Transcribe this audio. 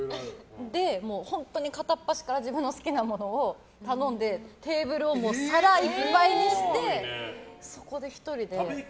本当に片っ端から自分の好きなものを頼んでテーブルを皿いっぱいにしてそこで１人で。